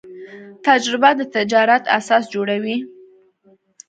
تجربه د تجارت اساس جوړوي.